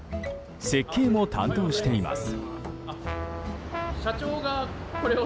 設計も担当しています。